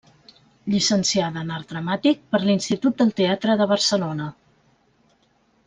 Llicenciada en Art Dramàtic per l'Institut del Teatre de Barcelona.